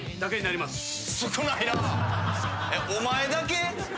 お前だけ？